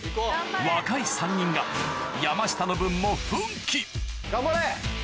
若い３人が山下の分も・頑張れ！